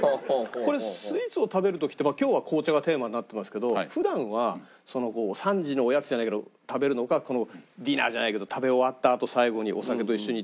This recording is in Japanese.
これスイーツを食べる時って今日は紅茶がテーマになってますけど普段は３時のおやつじゃないけど食べるのかディナーじゃないけど食べ終わったあと最後にお酒と一緒に。